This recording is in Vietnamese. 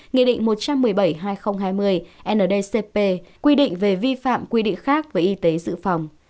nghị định một trăm một mươi bảy hai nghìn hai mươi ndcp quy định về vi phạm quy định khác về y tế dự phòng